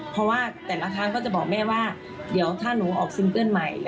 เพราะว่าแต่ละครั้งก็จะบอกแม่ว่าเดี๋ยวถ้าหนูออกซิงเกิ้ลใหม่